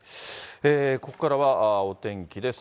ここからはお天気です。